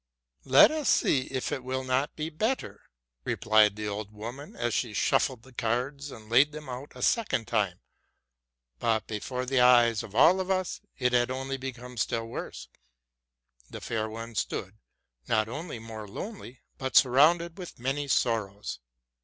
''—'+ Let us see if it will not be better,''? replied the old woman, as she shuffled the cards and laid them out a second time; but before the eyes of all of us it had only become still worse. The fair one stood, not only more lonely, but surrounded with many sorrows.